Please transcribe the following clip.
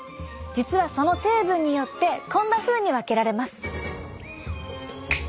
実はその成分によってこんなふうに分けられます。